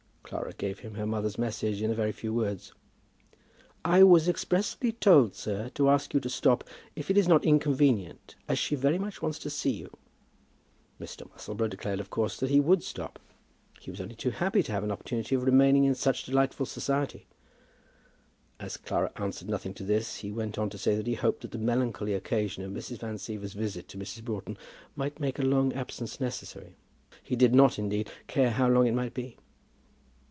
Clara gave him her mother's message in a very few words. "I was expressly told, sir, to ask you to stop, if it is not inconvenient, as she very much wants to see you." Mr. Musselboro declared that of course he would stop. He was only too happy to have an opportunity of remaining in such delightful society. As Clara answered nothing to this, he went on to say that he hoped that the melancholy occasion of Mrs. Van Siever's visit to Mrs. Broughton might make a long absence necessary, he did not, indeed, care how long it might be.